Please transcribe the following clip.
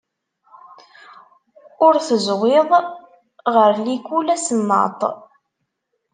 Ul teẓwid ɣel likul asennaṭ.